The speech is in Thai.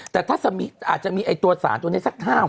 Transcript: แต่ถ้าอาจจะมีตัวสารตัวนี้สัก๕วัน